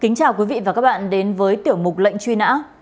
kính chào quý vị và các bạn đến với tiểu mục lệnh duy nã